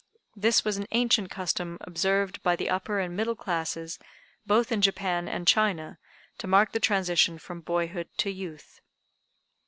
This was an ancient custom observed by the upper and middle classes both in Japan and China, to mark the transition from boyhood to youth.